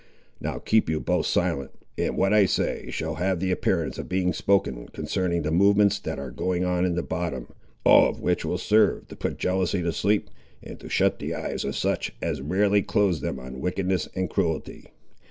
Now keep you both silent, and what I say shall have the appearance of being spoken concerning the movements that are going on in the bottom; all of which will serve to put jealousy to sleep, and to shut the eyes of such as rarely close them on wickedness and cruelty.